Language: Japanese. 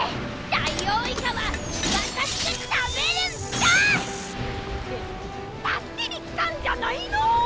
ダイオウイカは私が食べるんだ！って助けに来たんじゃないの！？